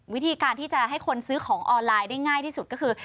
วิธีการที่จะให้คนซื้อของออนไลน์ได้ง่ายที่สุดก็คือ